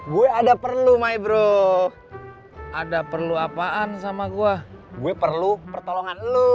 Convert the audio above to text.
gue ada perlu my bro ada perlu apaan sama gua gue perlu pertolongan lu